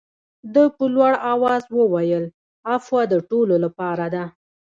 ده په لوړ آواز وویل عفوه د ټولو لپاره ده.